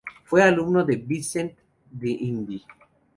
Fue alumno de Vicent d'Indy.